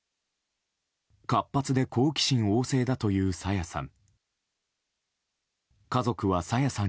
活発で好奇心旺盛だという朝芽さん。